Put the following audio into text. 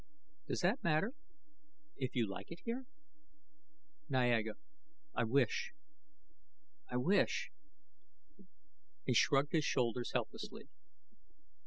"Does that matter? If you like it here " "Niaga, I wish I wish " He shrugged his shoulders helplessly.